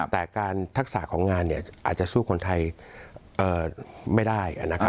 แต่การทักษะของงานอาจจะสู้คนไทยไม่ได้